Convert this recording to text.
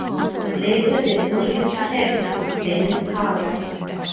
Later, the police head to Kenny's house.